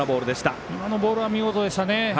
今のボールは見事でしたね。